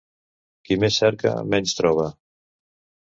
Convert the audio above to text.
Qui més cerca, menys troba.